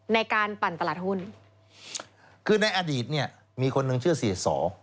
ปั่นตลาดหุ้นคือในอดีตเนี่ยมีคนหนึ่งชื่อเสียสอ